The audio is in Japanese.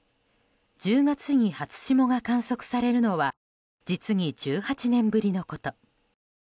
１０月に初霜が観測されるのは実に１８年ぶりのこと。